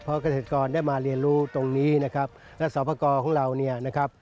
เพราะเกษตรกรได้มาเรียนรู้ตรงนี้ระสรท์ประกอบของเรา